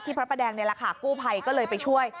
ที่พระแปดแดงในราคากู้ภัยก็เลยไปช่วย